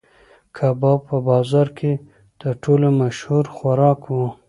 کباب په بازار کې تر ټولو مشهور خوراک و.